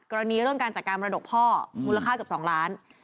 เรื่องการจัดการมรดกพ่อมูลค่าเกือบ๒ล้าน